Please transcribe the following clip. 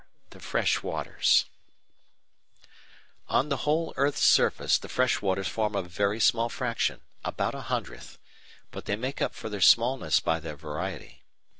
THE FRESH WATERS Of the whole earth's surface the freshwaters form a very small fraction, about a hundredth, but they make up for their smallness by their variety.